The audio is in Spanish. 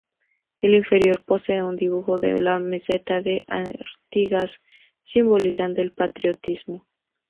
El inferior posee un dibujo de la Meseta de Artigas, simbolizando el patriotismo.